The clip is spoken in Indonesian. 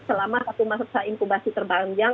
selama satu masa inkubasi terpanjang